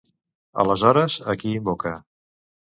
Aleshores, a qui invoca?